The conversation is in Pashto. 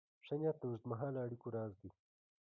ښه نیت د اوږدمهاله اړیکو راز دی.